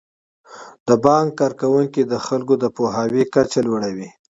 د بانک کارکوونکي د خلکو د پوهاوي کچه لوړوي.